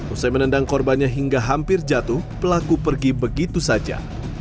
usai menendang korbannya hingga hampir jatuh pelaku pergi begitu saja